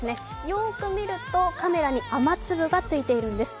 よく見ると、カメラに雨粒がついているんです。